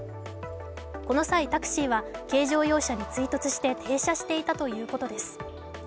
この際、タクシーは軽乗用車に追突して停車していたということです。